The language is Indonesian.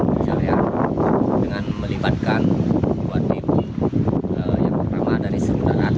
sekarang dengan melibatkan buat ibu yang pertama dari seluruh darat